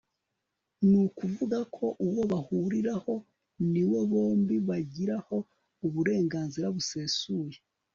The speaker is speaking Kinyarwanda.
nukuvuga ko uwo bahuriraho ni wo bombi bagiraho uburenganzira busesuye